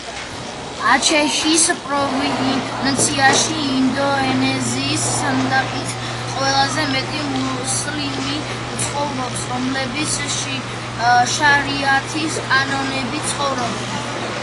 აჩეჰის პროვინციაში ინდონეზიის მასშტაბით ყველაზე მეტი მუსლიმი ცხოვრობს, რომლებიც შარიათის კანონებით ცხოვრობენ.